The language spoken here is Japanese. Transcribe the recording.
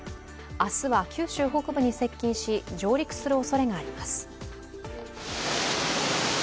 明日は九州北部に接近し上陸するおそれがあります。